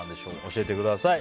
教えてください。